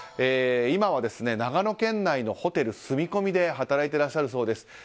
今は長野県内のホテルに住み込みで働いてらっしゃるそうです。